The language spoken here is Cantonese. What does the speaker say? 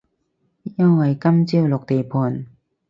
因為今朝落地盤